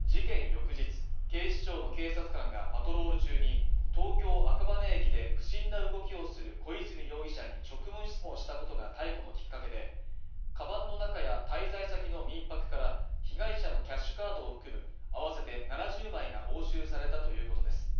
翌日警視庁の警察官がパトロール中に東京赤羽駅で不審な動きをする小出水容疑者に職務質問したことが逮捕のきっかけでカバンの中や滞在先の民泊から被害者のキャッシュカードを含む合わせて７０枚が押収されたということです